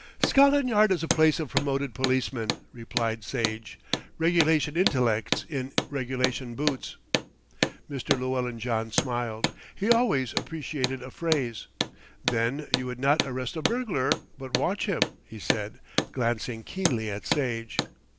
"Scotland Yard is a place of promoted policemen," replied Sage, "regulation intellects in regulation boots." Mr. Llewellyn John smiled. He always appreciated a phrase. "Then you would not arrest a burglar, but watch him," he said, glancing keenly at Sage.